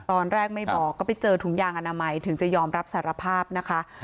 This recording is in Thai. ตอนแรกไม่บอกก็ไปเจอถุงยางอนามัยถึงจะยอมรับสารภาพนะคะ